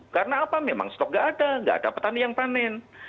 karena apa memang stok tidak ada tidak ada petani yang panen